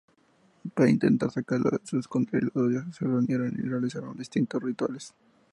Para intentar sacarla de su escondrijo, los dioses se reunieron y realizaron distintos rituales.